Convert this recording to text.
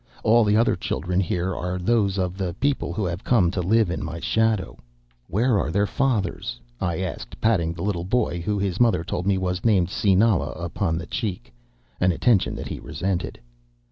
All the other children here are those of the people who have come to live in my shadow.' "'Where are their fathers?' I asked, patting the little boy who, his mother told me, was named Sinala, upon the cheek, an attention that he resented.